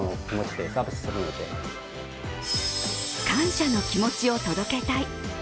感謝の気持ちを届けたい。